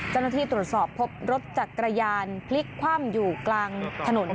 เจ้าหน้าที่ตรวจสอบพบรถจักรยานพลิกคว่ำอยู่กลางถนน